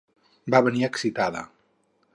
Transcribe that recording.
Va venir excitada.